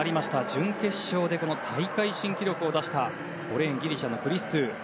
準決勝で大会新記録を出した５レーンギリシャのクリストゥ。